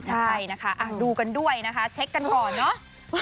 ใช่นะคะดูกันด้วยนะคะเช็คกันก่อนเนอะ